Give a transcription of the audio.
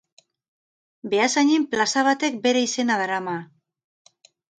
Beasainen plaza batek bere izena darama.